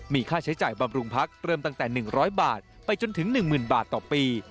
มีค่าใช้จ่ายบำรุงพักเริ่มตั้งแต่หนึ่งร้อยบาทไปจนถึงหนึ่งหมื่นบาทต่อปี